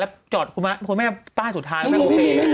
แล้วจอดคุณแม่ป้ายสุดท้ายแล้วแม่โอเค